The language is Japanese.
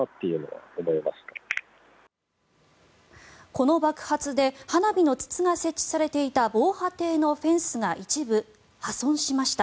この爆発で花火の筒が設置されていた防波堤のフェンスが一部破損しました。